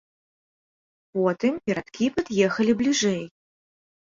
Потым перадкі пад'ехалі бліжэй.